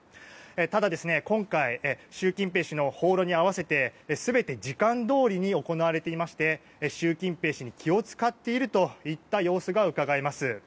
ただ、今回習近平氏の訪ロに合わせて全て時間どおりに行っていまして習近平氏に気を使っている様子がうかがえます。